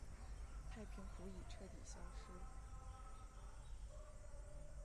太平湖已彻底消失。